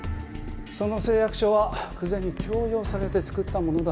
その誓約書は久瀬に強要されて作ったものだ。